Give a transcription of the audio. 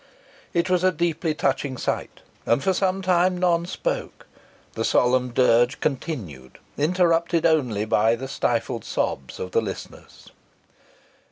It was a deeply touching sight, and for some time none spake. The solemn dirge continued, interrupted only by the stifled sobs of the listeners.